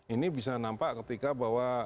ini bisa nampak ketika bahwa